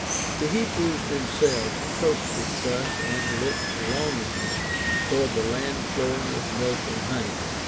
The Hebrews themselves approached it thus and looked longingly toward the ''land flowing with milk and honey."